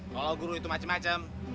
kalau guru itu macem macem